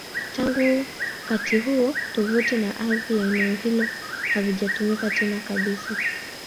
Tangu wakati huo, tovuti na ardhi ya eneo hilo havijatumika tena kabisa.